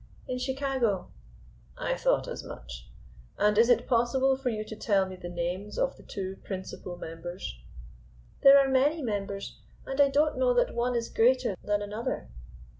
"In Chicago." "I thought as much. And is it possible for you to tell me the names of the two principal members?" "There are many members, and I don't know that one is greater than another."